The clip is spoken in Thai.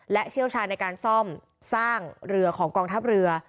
และเชี่ยวชาญในการซ่อมสร้างเรือของกองทัพเรือ